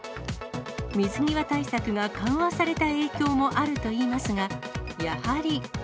水際対策が緩和された影響もあるといいますが、やはり。